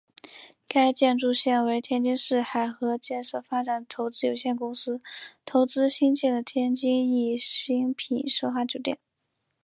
该建筑现为天津市海河建设发展投资有限公司投资兴建的天津易精品奢华酒店。